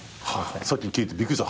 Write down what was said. さっき聞いてびっくりした。